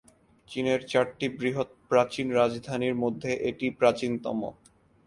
চীনের চারটি বৃহৎ প্রাচীন রাজধানীর মধ্যে এটি প্রাচীনতম।